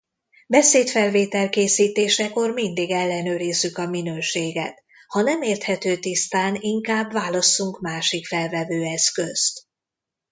Beszédfelvétel készítésekor mindig ellenőrizzük a minőséget: ha nem érthető tisztán, inkább válasszunk másik felvevőeszközt.